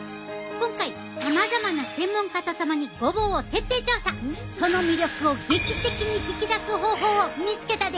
今回さまざまな専門家と共にその魅力を劇的に引き出す方法を見つけたで！